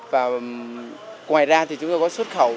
ngoài ra thì chúng tôi có xuất khẩu